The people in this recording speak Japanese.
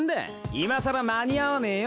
今更間に合わねえよ。